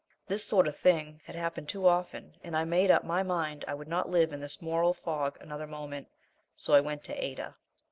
This sort of thing had happened too often, and I made up my mind I would not live in this moral fog another moment. So I went to Ada.